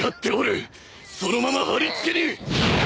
そのままはりつけに。